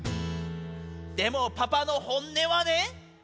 「でもパパの本音はね」